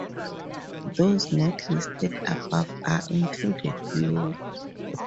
Those not listed above are included below.